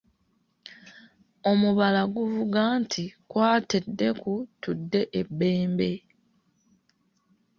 Omubala guvuga nti, ῝Kwata eddeku tudde e Bbembe.”